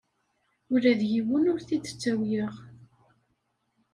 Ula d yiwen ur t-id-ttawyeɣ.